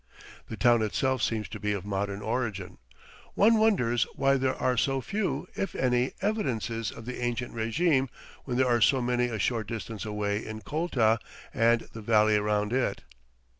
The town itself seems to be of modern origin. One wonders why there are so few, if any, evidences of the ancient régime when there are so many a short distance away in Colta and the valley around it.